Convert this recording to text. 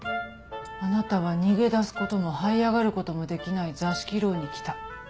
あなたは逃げ出すことも這い上がることもできない座敷牢に来た。